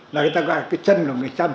là người ta gọi là cái chân của người chăm